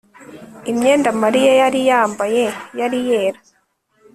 Imyenda Mariya yari yambaye yari yera